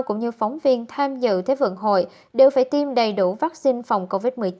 cũng như phóng viên tham dự thế vận hội đều phải tiêm đầy đủ vaccine phòng covid một mươi chín